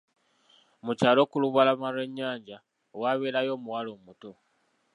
Mu kyalo ku lubalama Iwe'nyanja, waabeerayo omuwala omuto.